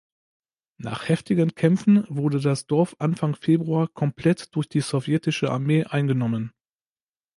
Nach heftigen Kämpfen wurde das Dorf Anfang Februar komplett durch die sowjetische Armee eingenommen.